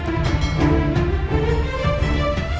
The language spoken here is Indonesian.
siapa tergafi teman teman ini